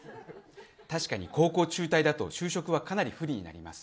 確かに高校中退だと就職はかなり不利になります。